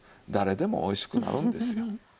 誰でもおいしくなるんですよ。